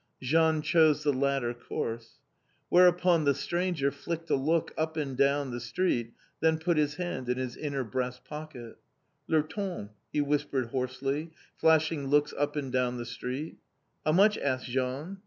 Jean chose the latter course. Whereupon the stranger flicked a look up and down the street, then put his hand in his inner breast pocket. "Le Temps," he whispered hoarsely, flashing looks up and down the street. "How much?" asked Jean.